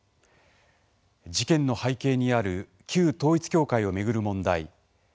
事件の背景にある旧統一教会を巡る問題。